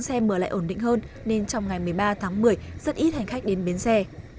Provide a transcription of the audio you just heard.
xe mở lại ổn định hơn nên trong ngày một mươi ba tháng một mươi rất ít hành khách đến bến xe